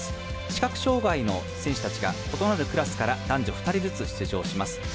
視覚障がいの選手たちが異なるクラスから男女２人ずつ出場します。